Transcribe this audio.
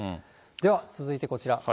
では、続いてこちら。